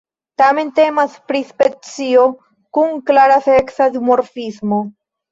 Tamen temas pri specio kun klara seksa duformismo.